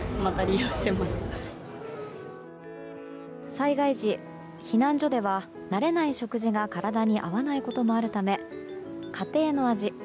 災害時、避難所では慣れない食事が体に合わないこともあるため家庭の味